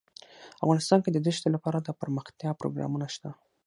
افغانستان کې د دښتې لپاره دپرمختیا پروګرامونه شته.